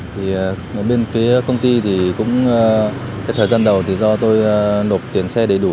thì bên phía công ty thì cũng cái thời gian đầu thì do tôi nộp tiền xe đầy đủ